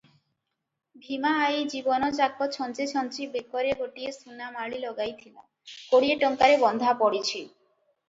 ଭୀମା ଆଈ ଜୀବନଯାକ ଛଞ୍ଚି ଛଞ୍ଚି ବେକରେ ଗୋଟାଏ ସୁନାମାଳୀ ଲଗାଇଥିଲା, କୋଡିଏ ଟଙ୍କାରେ ବନ୍ଧା ପଡିଛି ।